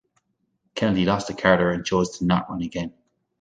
Kennedy lost to Carter and chose to not run again.